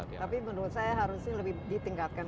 tapi menurut saya harusnya lebih ditingkatkan